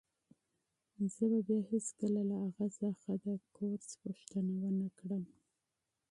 زه به بیا هیڅکله له اغا څخه د کورس پوښتنه ونه کړم.